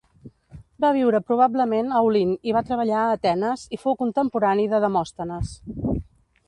Va viure probablement a Olint i va treballar a Atenes i fou contemporani de Demòstenes.